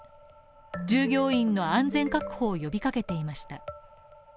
従業員の安全確保を呼びかけていました。